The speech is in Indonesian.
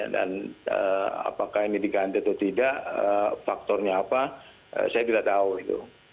dan apakah ini diganti atau tidak faktornya apa saya tidak tahu